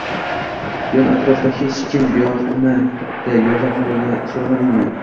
Yon-atrofda hech kim yo`qmidi, yordam so`ramadingmi